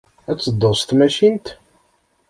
Ad tedduḍ s tmacint?